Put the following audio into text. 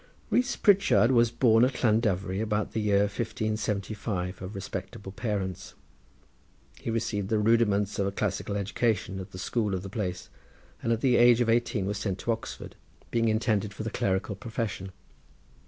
Rees Pritchard was born at Llandovery, about the year 1575, of respectable parents. He received the rudiments of a classical education at the school of the place, and at the age of eighteen was sent to Oxford, being intended for the clerical profession.